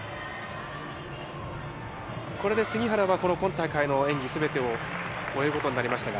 これで杉原は、この今大会の演技すべてを終えることになりましたが。